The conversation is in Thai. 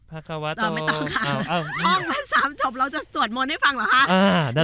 ไม่ต้องค่ะห้องมันสามจบเราจะสวดมนต์ให้ฟังเหรอฮะ